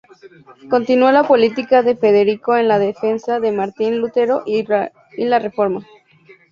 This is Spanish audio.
Continuó la política de Federico en la defensa de Martín Lutero y la Reforma.